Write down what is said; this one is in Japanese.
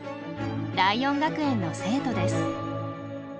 ライオン学園の生徒です。